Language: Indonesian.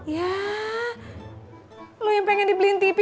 ya lo yang pengen dibeliin tv